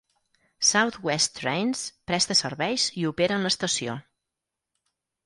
South West Trains presta serveis i opera en l'estació.